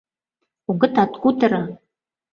Огытат кутыро.